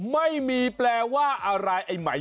ไม่มีแปลว่าอะไร